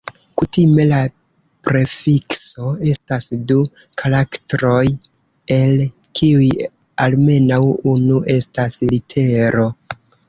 Kutime la prefikso estas du karaktroj el kiuj almenaŭ unu estas litero.